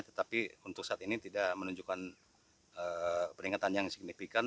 tetapi untuk saat ini tidak menunjukkan peningkatan yang signifikan